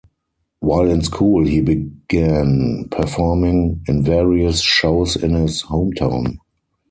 While in school he began performing in various shows in his home town.